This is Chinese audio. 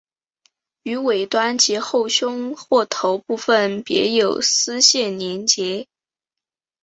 于尾端及后胸或头部分别有丝线连结。